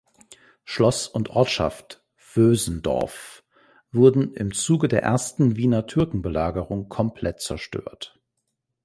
Schloss und Ortschaft Vösendorf wurden im Zuge der Ersten Wiener Türkenbelagerung komplett zerstört.